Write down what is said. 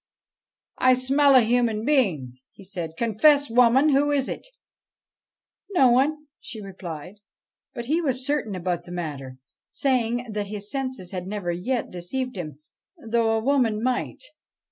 ' I smell a human being,' he said. ' Confess, woman ; who is it?' ' No one,' replied she. But he was certain about the matter, saying that his senses had never yet deceived him, though a woman might.